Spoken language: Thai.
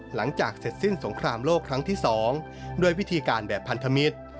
หลังจากเสร็จสิ้นสงครามโลกครั้งที่๒ด้วยวิธีการแบบพันธมิตร